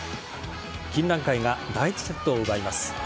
金蘭会が第１セットを奪います。